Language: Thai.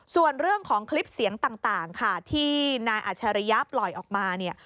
ส่วนเรื่องของคลิปเสียงต่างค่ะที่นายอัชริยะปล่อยออกมาเนี่ย